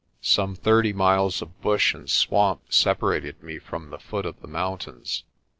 Some thirty miles of bush and swamp separated me from the foot of the mountains.